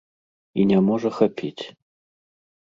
І не можа хапіць.